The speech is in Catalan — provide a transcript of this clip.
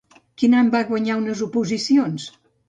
Quin any va guanyar unes oposicions?